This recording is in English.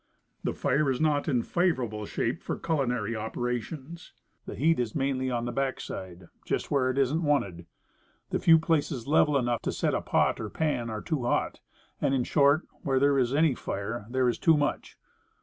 The fire is not in favorable shape for culinary operations, 44 Woodcraft, the heat is mainly on the back side, just where it isn't wanted. The few places level enough to set a pot or pan are too hot; and, in short, where there is any fire, there is too much.